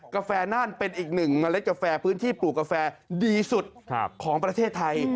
แฟน่านเป็นอีกหนึ่งเมล็ดกาแฟพื้นที่ปลูกกาแฟดีสุดของประเทศไทย